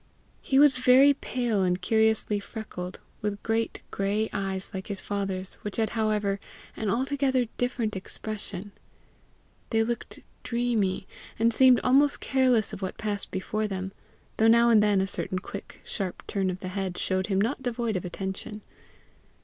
He was very pale and curiously freckled, with great gray eyes like his father's, which had however an altogether different expression. They looked dreamy, and seemed almost careless of what passed before them, though now and then a certain quick, sharp turn of the head showed him not devoid of attention.